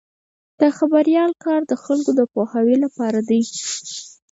د خبریال کار د خلکو د پوهاوي لپاره دی.